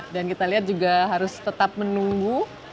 dan kita lihat juga harus tetap menunggu